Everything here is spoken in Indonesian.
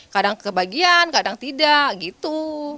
banyak bagian kadang tidak gitu